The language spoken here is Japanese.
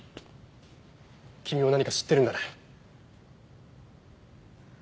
君も何か知ってるんだね。